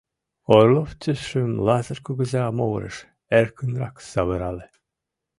Орлов тӱсшым Лазыр кугыза могырыш эркынрак савырале.